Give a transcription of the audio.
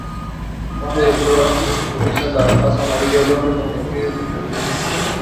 Solomon was known as "Aunty Malia" throughout Hawaii.